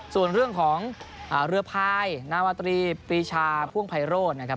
ส่วนเรื่องของเรือพายนาวาตรีปีชาพ่วงไพโรธนะครับ